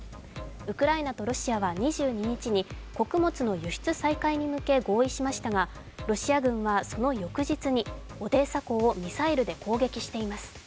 ウクライナとロシアは２２日に穀物の輸出再開に向け合意しましたが、ロシア軍はその翌日に、オデーサ港をミサイルで攻撃しています。